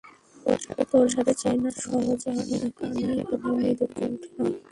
তোর সাথে চেনা সহজে হবে না-- কানে কানে মৃদুকণ্ঠে নয়।